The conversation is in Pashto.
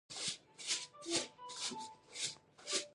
مقالې له اته زره کلمو څخه زیاتې وي.